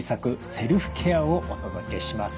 セルフケアをお届けします。